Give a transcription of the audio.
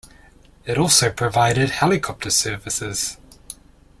It also provided helicopter services.